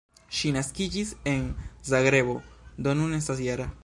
Ŝi naskiĝis en Zagrebo, do nun estas -jara.